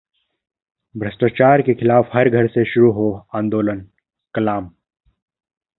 भ्रष्टाचार के खिलाफ हर घर से शुरू हो आंदोलन: कलाम